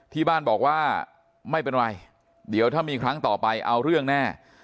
ที่บ้านบอกว่าไม่เป็นไรเดี๋ยวถ้ามีครั้งต่อไปเอาเรื่องแน่